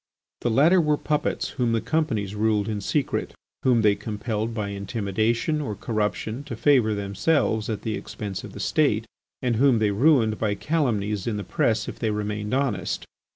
The latter were puppets whom the companies ruled in secret, whom they compelled by intimidation or corruption to favour themselves at the expense of the State, and whom they ruined by calumnies in the press if they remained honest.